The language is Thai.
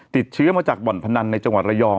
ติดเชื้อมาจากบ่อนพนันในจังหวัดระยอง